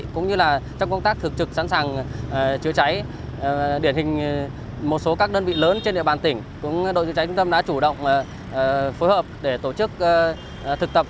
cũng như là trong công tác thực trực sẵn sàng chữa cháy điển hình một số các đơn vị lớn trên địa bàn tỉnh đội chữa cháy trung tâm đã chủ động phối hợp để tổ chức thực tập